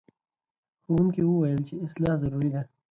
ښوونکي وویل چې اصلاح ضروري ده.